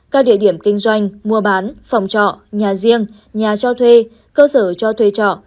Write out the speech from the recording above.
các địa điểm kinh doanh mua bán phòng trọ nhà riêng nhà cho thuê cơ sở cho thuê trọ